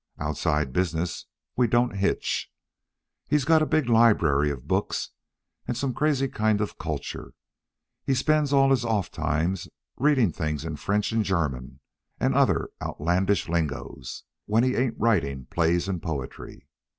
Outside business, we don't hitch. He's got a big library of books, and some crazy kind of culture, and he spends all his off times reading things in French and German and other outlandish lingoes when he ain't writing plays and poetry.